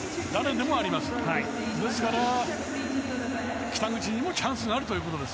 ですから、北口にもチャンスがあるということです。